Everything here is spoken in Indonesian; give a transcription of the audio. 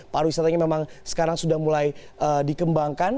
pariwisatanya memang sekarang sudah mulai dikembangkan